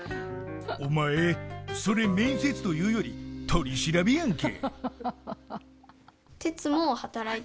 おまえ、それ面接というより取り調べやんけ。